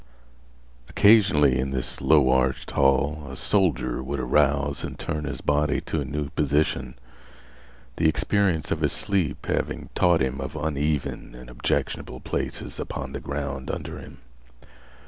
Occasionally, in this low arched hall, a soldier would arouse and turn his body to a new position, the experience of his sleep having taught him of uneven and objectionable places upon the ground under him.